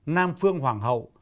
nam phương hoàng hậu